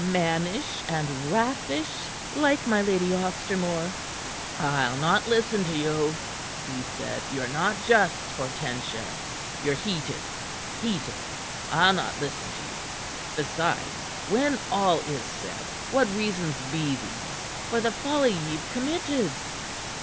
Mannish and raffish, like my Lady Ostermore?" "I'll not listen to you," he said. "Ye're not just, Hortensia. Ye're heated; heated! I'll not listen to you. Besides, when all is said, what reasons be these for the folly ye've committed?"